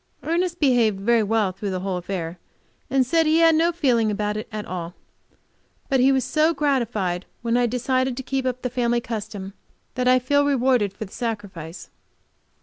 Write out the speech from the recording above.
Ernest behaved very well through the whole affair, and said he had no feeling about it all. But he was so gratified when I decided to keep up the family custom that I feel rewarded for the sacrifice.